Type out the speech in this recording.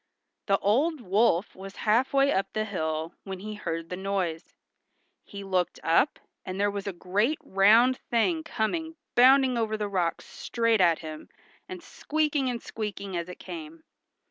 The old wolf was half way up the hill when he heard the noise. He looked up, and there was a great round thing coming bounding over the rocks straight at him, and squeaking and squeaking as it came.